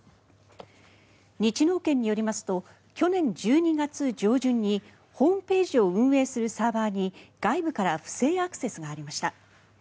日能研によりますと去年１２月上旬にホームページを運営するサーバーに外部から不正アクセスがありました。